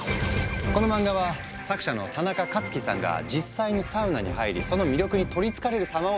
この漫画は作者のタナカカツキさんが実際にサウナに入りその魅力に取りつかれる様を描いたもの。